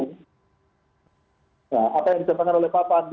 nah apa yang disampaikan oleh papa andi